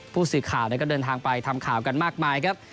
ผู้สื่อข่าวก็เดินทางไปทำข่าวกันมากมายครับ